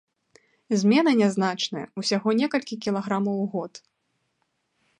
Змены нязначныя, усяго некалькі кілаграмаў у год.